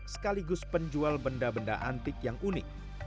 sekaligus penjual benda benda antik yang unik